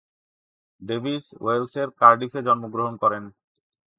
Davies ওয়েলসের কার্ডিফে জন্মগ্রহণ করেন।